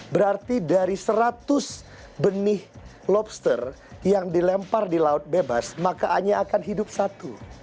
berarti dari seratus benih lobster yang dilempar di laut bebas maka hanya akan hidup satu